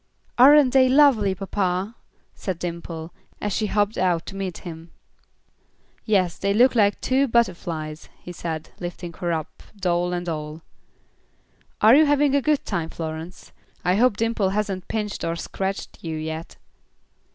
"Aren't they lovely, papa?" said Dimple, as she hobbled out to meet him. "Yes; they look like two butterflies," he said, lifting her up, doll and all. "Are you having a good time, Florence? I hope Dimple hasn't pinched or scratched you yet."